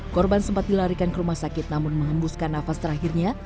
korban sempat dilarikan ke rumah sakit namun mengembuskan nafas terakhirnya